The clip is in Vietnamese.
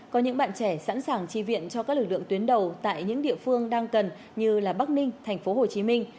có những bạn trẻ sẵn sàng chi viện cho các lực lượng tuyến đầu tại những địa phương đang cần như bắc ninh thành phố hồ chí minh